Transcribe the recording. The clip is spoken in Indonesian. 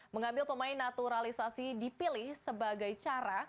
mengambil pemain naturalisasi dipilih sebagai cara